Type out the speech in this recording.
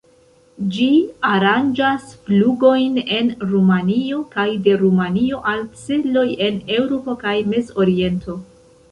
Ĝi aranĝas flugojn en Rumanio kaj de Rumanio al celoj en Eŭropo kaj Mezoriento.